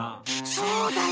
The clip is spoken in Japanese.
そうだよ。